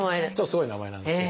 すごい名前なんですけど。